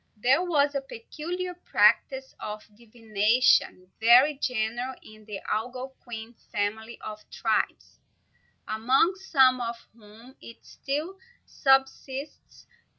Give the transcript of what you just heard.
There was a peculiar practice of divination very general in the Algonquin family of tribes, among some of whom it still subsists.